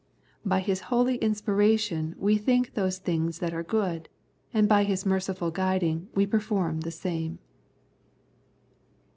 By " His holy inspiration we think those things that are good, and by His merciful guiding we perform the same."